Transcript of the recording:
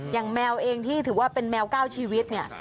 อย่างแมวเองที่ถือว่าเป็นแมวก้าวชีวิตเนี่ย